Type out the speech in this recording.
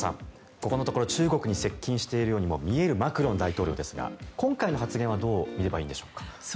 ここのところ、中国に接近しているようにも見えるマクロン大統領ですが今回の発言はどう見ればいいんでしょうか？